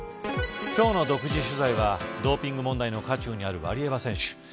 今日の独自取材はドーピング問題の渦中にあるワリエワ選手。